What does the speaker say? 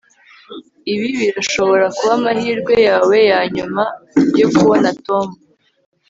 ibi birashobora kuba amahirwe yawe yanyuma yo kubona tom